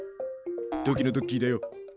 土器のドッキーだよ。